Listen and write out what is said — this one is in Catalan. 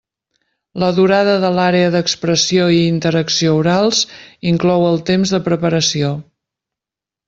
La durada de l'Àrea d'Expressió i Interacció Orals inclou el temps de preparació.